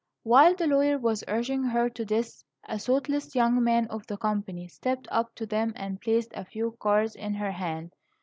While the lawyer was urging her to this, a thoughtless young man of the company stepped up to them and placed a few cards in her hand.